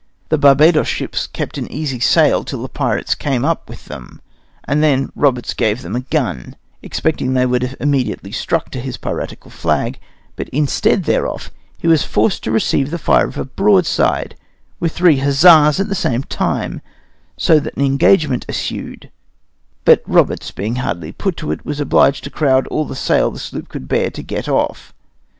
The Barbadoes ships kept an easy sail till the pirates came up with them, and then Roberts gave them a gun, expecting they would have immediately struck to his piratical flag; but instead thereof, he was forced to receive the fire of a broadside, with three huzzas at the same time, so that an engagement ensued; but Roberts, being hardly put to it, was obliged to crowd all the sail the sloop would bear to get off.